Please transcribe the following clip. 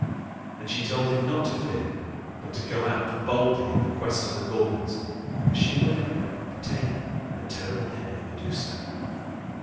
And she told him not to fear, but to go out boldly in quest of the Gorgons; for she would help him obtain the terrible head of Medusa.